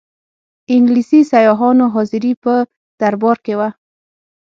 انګلیسي سیاحانو حاضري په دربار کې وه.